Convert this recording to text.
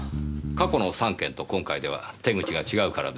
過去の３件と今回では手口が違うからです。